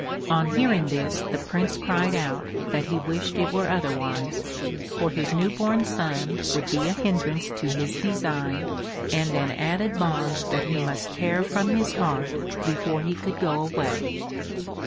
On hearing this the Prince cried out that he wished it were otherwise, for his new born son would be a hindrance to his design and an added bond that he must tear from his heart before he could go away.